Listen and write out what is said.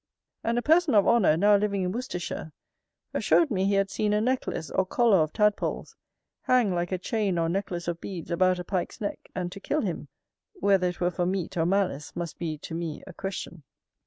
And a person of honour, now living in Worcestershire, assured me he had seen a necklace, or collar of tadpoles, hang like a chain or necklace of beads about a Pike's neck, and to kill him: Whether it were for meat or malice, must be, to me, a question.